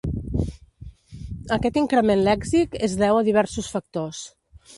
Aquest increment lèxic es deu a diversos factors.